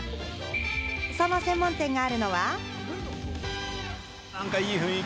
その専門店があるのは。